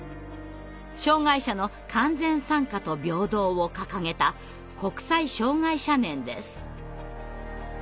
障害者の完全参加と平等を掲げた国際障害者年です。